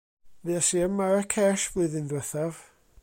Fues i ym Maracesh flwyddyn ddiwethaf.